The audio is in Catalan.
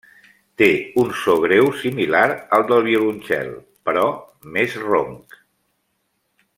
Té un so greu similar al del violoncel, però més ronc.